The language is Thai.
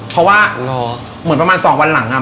เพราะว่าเหมือนประมาณ๒วันหลังอะ